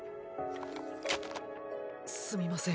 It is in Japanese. すみません